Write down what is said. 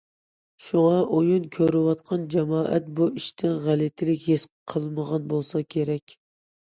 شۇڭا ئويۇن كۆرۈۋاتقان جامائەت بۇ ئىشتىن غەلىتىلىك ھېس قىلمىغان بولسا كېرەك.